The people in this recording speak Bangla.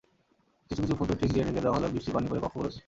কিছু কিছু ফুটো টিন দিয়ে ঢেকে দেওয়া হলেও বৃষ্টির পানি পড়ে কক্ষগুলোতে।